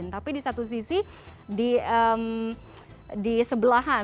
tapi di satu sisi di sebelahan